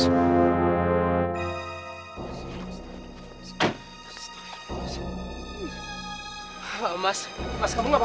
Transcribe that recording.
terima kasih papa